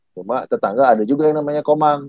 cuma tetangga ada juga yang namanya komang